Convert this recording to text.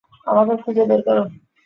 আমাকে খুঁজে বের করো।